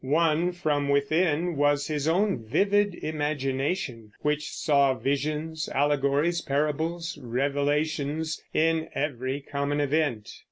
One, from within, was his own vivid imagination, which saw visions, allegories, parables, revelations, in every common event.